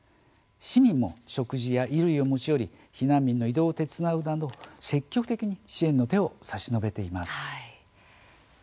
市民も食事や衣類を持ち寄り避難民の移動を手伝うなど積極的に支援の手を差し伸べています。